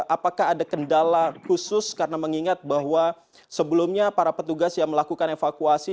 apakah ada kendala khusus karena mengingat bahwa sebelumnya para petugas yang melakukan evakuasi